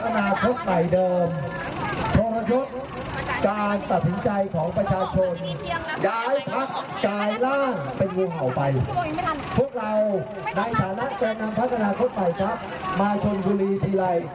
รักษณะเข้าไปครับมาชนบุรีทีลัย